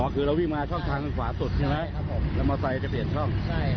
อ๋อคือเราวิ่งมาช่องทางขวาสุดใช่ไหม